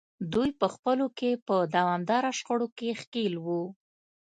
دوی په خپلو کې په دوامداره شخړو کې ښکېل وو.